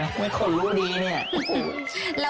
เหรอไม่ค่อยรู้ดีเนี่ย